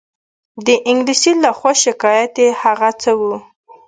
د انګلیس له خوا شکایت یې هغه څه وو.